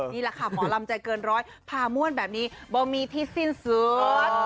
นี่แหละค่ะหมอลำใจเกินร้อยพาม่วนแบบนี้บ่มีที่สิ้นสุด